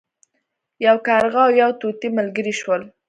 یو کارغه او یو طوطي ملګري شول.